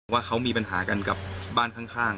ว่าเขามีปัญหากันกับบ้านข้าง